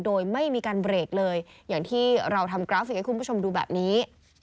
โดยไม่มีการเบรกเลยอย่างที่เราทำกราฟิกให้คุณผู้ชมดูแบบนี้